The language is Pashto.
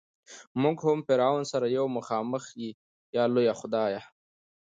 مونږ هم فرعون سره یو مخامخ ای لویه خدایه.